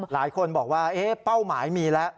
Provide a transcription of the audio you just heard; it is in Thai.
หลายคนบอกว่าเป้าหมายมีแล้ว